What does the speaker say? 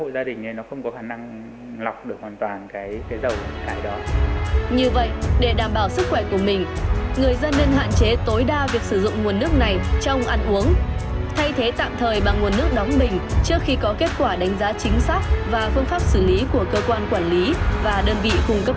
đây là những hình ảnh về căn nhà đặc biệt của ông ứng tại làng lũng vị huyện trường mỹ thành phố hà nội